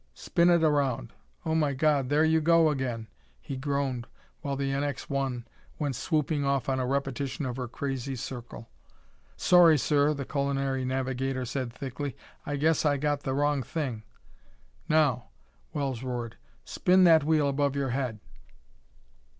Spin it around oh, my God, there you go again!" He groaned while the NX 1 went swooping off on a repetition of her crazy circle. "Sorry, sir," the culinary navigator said thickly. "I guess I got the wrong thing." "Now!" Wells roared. "Spin that wheel above your head....